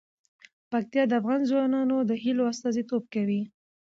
پکتیا د افغان ځوانانو د هیلو استازیتوب کوي.